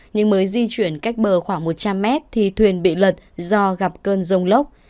nhưng mới di chuyển cách bờ khoảng một trăm linh mét thì thuyền bị lật do gặp cơn rông lốc